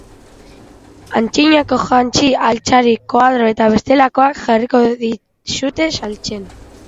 Antzinako jantzi, altzari, koadro eta bestelakoak jarriko dizute saltzen.